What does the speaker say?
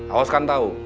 awas kan tau